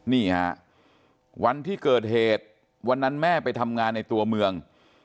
นี่ฮะวันที่เกิดเหตุวันนั้นแม่ไปทำงานในตัวเมือง